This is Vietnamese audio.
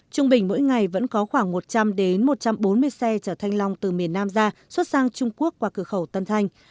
trung bình mỗi ngày vẫn có khoảng một trăm linh một trăm bốn mươi xe chở thanh long từ miền nam ra xuất sang trung quốc qua cửa khẩu tân thanh